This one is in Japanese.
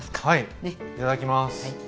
はいいただきます。